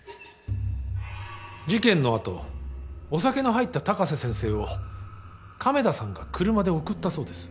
事件の後お酒の入った高瀬先生を亀田さんが車で送ったそうです。